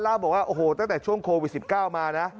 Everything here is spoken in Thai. บอกว่าโอ้โหตั้งแต่ช่วงโควิด๑๙มานะ